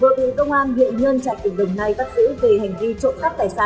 vừa bị công an hiện nhân trại tỉnh đồng nai bắt giữ về hành vi trộm cắp tài sản